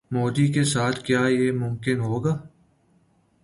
مودی کے ساتھ کیا یہ ممکن ہوگا؟